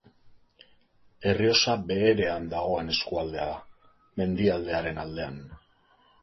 Errioxa Beherean dagoen eskualdea da, mendialdearen aldean.